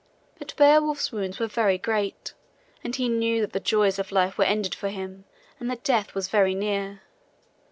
But Beowulf's wounds were very great, and he knew that the joys of life were ended for him and that death was very near.